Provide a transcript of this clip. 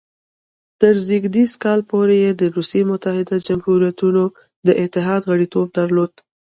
تر زېږدیز کال پورې یې د روسیې متحده جمهوریتونو د اتحاد غړیتوب درلود.